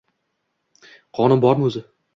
Qonun bormi o‘zi?